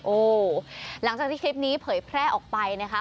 หลังจากที่คลิปนี้เผยแพร่ออกไปนะคะ